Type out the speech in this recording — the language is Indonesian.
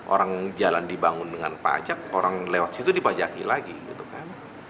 orang jalan dibangun dengan pajak orang lewat situ dipajaki lagi gitu kan